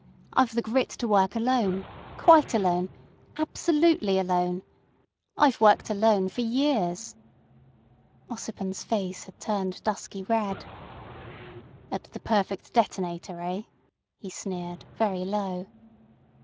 I've the grit to work alone, quite alone, absolutely alone. I've worked alone for years." Ossipon's face had turned dusky red. "At the perfect detonator—eh?" he sneered, very low.